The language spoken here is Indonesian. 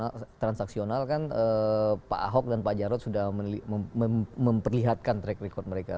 pada saat ini sudah transaksional kan pak ahok dan pak jarod sudah memperlihatkan track record mereka